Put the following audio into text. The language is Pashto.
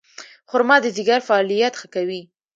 خرما د ځیګر فعالیت ښه کوي.